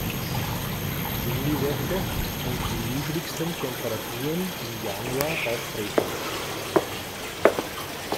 Juliwoche und die niedrigsten Temperaturen im Januar auftreten.